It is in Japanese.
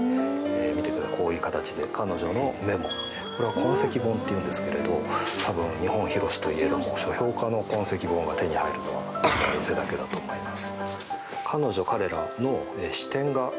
見てください、こういう形で彼女のメモ痕跡本っていうんですけど多分、日本広しと言えども書評家の痕跡本が手に入るのはうちの店だけだと思います。